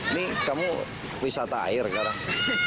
ini kamu wisata air sekarang